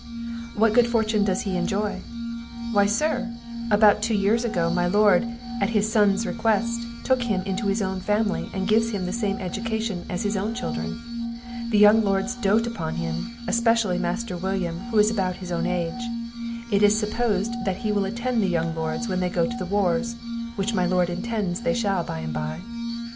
"What good fortune does he enjoy?" "Why, Sir, about two years ago, my lord, at his sons request, took him into his own family, and gives him the same education as his own children; the young lords doat upon him, especially Master William, who is about his own age: It is supposed that he will attend the young Lords when they go to the wars, which my Lord intends they shall by and by."